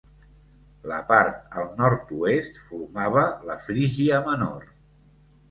La part al nord-oest formava la Frígia Menor.